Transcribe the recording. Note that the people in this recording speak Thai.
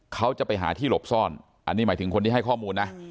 เขาจะไปหาที่หลบซ่อนอันนี้หมายถึงคนที่ให้ข้อมูลนะ